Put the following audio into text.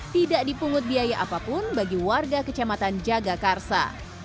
tidak dipungut biaya apapun bagi warga kecamatan jagakarsa